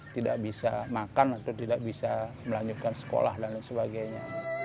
tidak bisa makan atau tidak bisa melanjutkan sekolah dan lain sebagainya